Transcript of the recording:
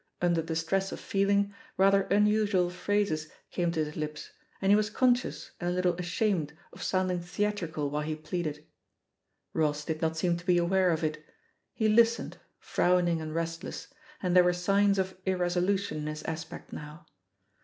Under the stress of feeling, rather unusual phrases came to his lips, and he was conscious and a little ashamed of sounding theatrical while he pleaded. Ross did not seem to be aware of it ; he listened, frowning and restless, and there were signs of 149 THE POSITION OF PEGGY HARPER irresolution in his aspect now.